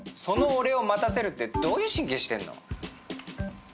その俺を待たせるってどういう神経してんの？